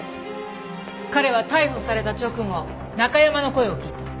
彼は逮捕された直後ナカヤマの声を聞いた。